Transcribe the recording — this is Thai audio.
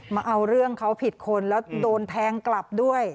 มาเอาเรื่องเขาผิดคนแล้วโดนแทงกลับด้วย